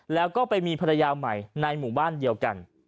แล้วก็ไปมีภรรยาใหม่ในหมู่บ้านเดียวกัน